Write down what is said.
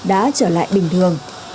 đã trở lại bình thường